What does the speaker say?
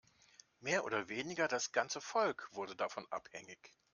Mehr oder weniger das ganze Volk wurde davon abhängig.